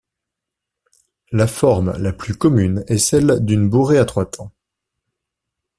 La forme la plus commune est celle d’une bourrée à trois temps.